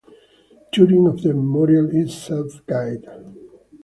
Touring of the Memorial is self-guided.